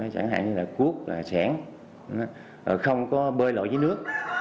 chẳng hạn như là cuốc sẻng không có bơi lội dưới nước